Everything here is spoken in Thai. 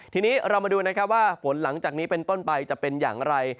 ทีนี้เรามาดูนะครับว่าฝนหลังจากนี้เป็นต้นไปจะเป็นอย่างไร